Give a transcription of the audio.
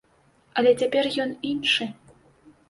Але цяпер ён іншы.